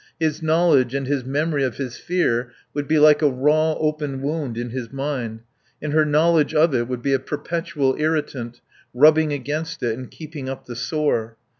His knowledge and his memory of his fear would be like a raw open wound in his mind; and her knowledge of it would be a perpetual irritant, rubbing against it and keeping up the sore.